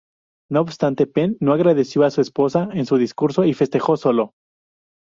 No obstante, Penn no agradeció a su esposa en su discurso y festejó solo.